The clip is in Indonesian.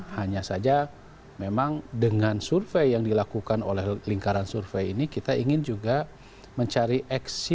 hanya saja memang dengan survei yang dilakukan oleh lingkaran survei ini kita ingin juga mencari eksekusi